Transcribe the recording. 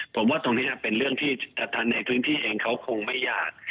ผมว่าตรงนี้เป็นเรื่องที่ในพื้นที่เองเขาคงไม่อยาก